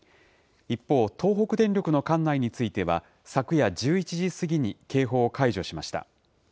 一方、東北電力の管内については、昨夜１１時過ぎに警報を解除しました。